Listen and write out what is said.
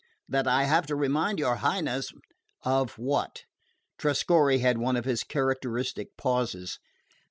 "That I have to remind your Highness " "Of what ?" Trescorre had one of his characteristic pauses.